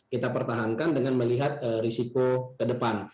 kita pertahankan dengan melihat risiko ke depan